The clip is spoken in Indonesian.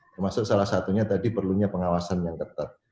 termasuk salah satunya tadi perlunya pengawasan yang ketat